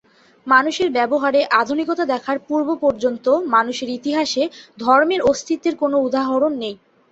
মানুষের ব্যবহারে আধুনিকতা দেখার পূর্ব পর্যন্ত মানুষের ইতিহাসে ধর্মের অস্তিত্বের কোনো উদাহরণ নেই।